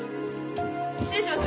失礼します。